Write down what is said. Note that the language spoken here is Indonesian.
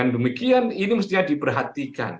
demikian ini mestinya diperhatikan